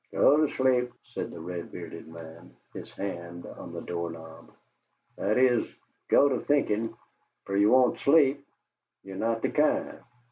"Go to sleep," said the red bearded man, his hand on the door knob. "That is, go to thinkin', fer ye won't sleep; ye're not the kind.